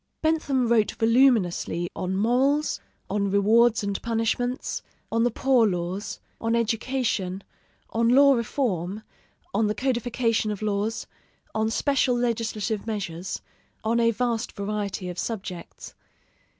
Bentham wrote voluminously on morals, on rewards and punishments, on the poor laws, on education, on law reform, on the codification of laws, on special legislative measures, on a vast variety of subjects.